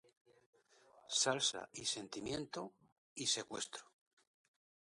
Salsa y Sentimiento" y "Secuestro".